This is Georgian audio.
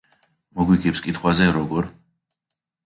მოგვიგებს კითხვებზე: როგორ?